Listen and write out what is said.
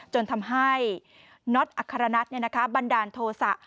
จนทำให้น็อตอัครนัทบันดาลโทษะ